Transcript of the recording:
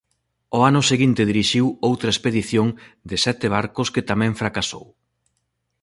Ao ano seguinte dirixiu outra expedición de sete barcos que tamén fracasou.